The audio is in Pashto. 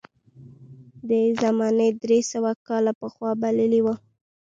ده یې زمانه درې سوه کاله پخوا بللې وه.